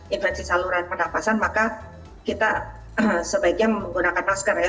invensi saluran penafasan maka kita sebaiknya menggunakan masker ya